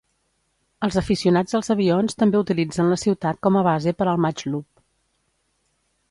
Els aficionats als avions també utilitzen la ciutat com a base per al Mach Loop.